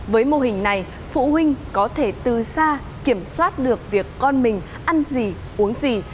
với mô hình này phụ huynh có thể từ xa kiểm soát được việc con mình ăn gì uống gì